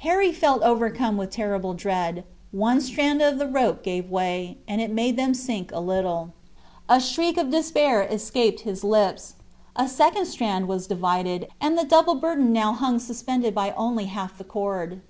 Harry felt overcome with terrible dread. One strand of the rope gave way, and it made them sink a little. A shriek of despair escaped his lips. A second strand was divided, and the double burden now hung suspended by only half the cord.